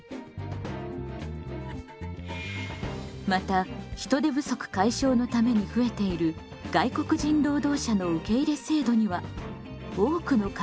また人手不足解消のために増えている外国人労働者の受け入れ制度には多くの課題が残されています。